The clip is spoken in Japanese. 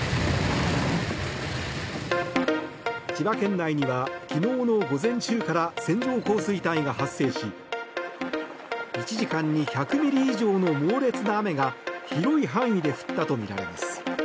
千葉県内には昨日の午前中から線状降水帯が発生し１時間に１００ミリ以上の猛烈な雨が広い範囲で降ったとみられます。